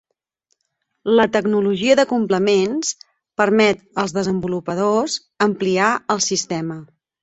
La tecnologia de complements permet als desenvolupadors ampliar el sistema.